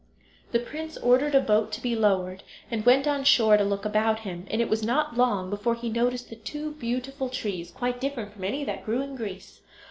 The prince ordered a boat to be lowered, and went on shore to look about him, and it was not long before he noticed the two beautiful trees, quite different from any that grew in Greece.